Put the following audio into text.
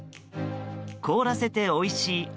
凍らせておいしい